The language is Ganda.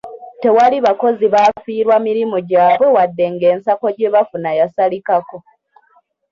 Tewali bakozi baafiirwa mirimu gyabwe wadde ng'ensako gye bafuna yasalikako.